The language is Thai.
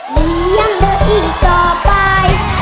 ลียมเดออีกต่อไป